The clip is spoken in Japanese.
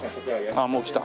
あっもう来た。